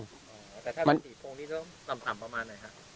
แต่ถ้ามันติดตรงนี้แล้วต่ำประมาณไหนฮะ